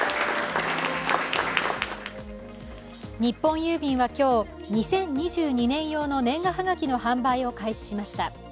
日本郵便は今日、２０２２年用の年賀はがきの販売を開始しました。